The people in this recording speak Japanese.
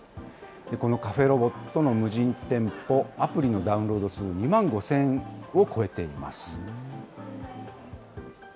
このカフェロボットの無人店舗、アプリのダウンロード数、２万５０００を超えています。